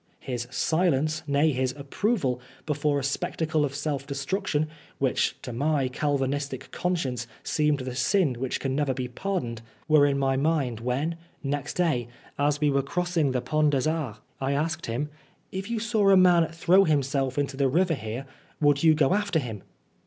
His silence, nay, his approval, before a spectacle of self destruction which to my Calvinistic conscience seemed the 49 4 Oscar Wilde sin which can never be pardoned, were in my mind when, next day, as we were crossing the Pont des Arts, I asked him :" If you saw a man throw himself into the river here, would you go after him